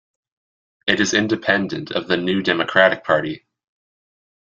It is independent of the New Democratic party.